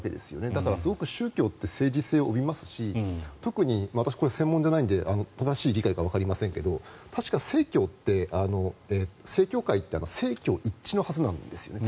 だから、すごく宗教って政治性を生みますし私、専門じゃないので正しい理解かわかりませんが確か、正教って正教会って政教一致のはずなんですよね。